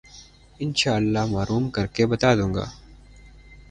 ان شاءاللہ معلوم کر کے بتا دوں گا۔